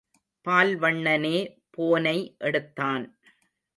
பால்வண்ணனே போனை எடுத்தான்.